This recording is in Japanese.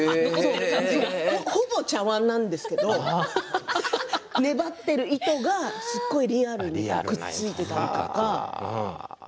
ほぼ茶わんなんですけど粘っている糸がすごいリアルにくっついていたりとか。